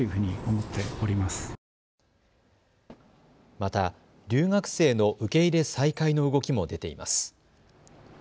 また、留学生の受け入れ再開の動きも出ています。